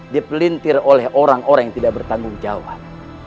dipelintir oleh orang orang yang tidak bertanggung jawab